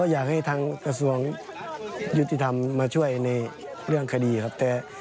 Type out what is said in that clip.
อยากให้ทางกระทรวงยุติธรรมมาช่วยในเรื่องคดีครับ